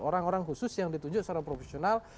orang orang khusus yang ditunjuk secara profesional